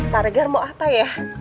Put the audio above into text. pak regar mau apa ya